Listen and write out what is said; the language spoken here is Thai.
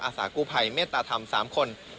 อาสากู้ภัยเมตตาธรรมสามคน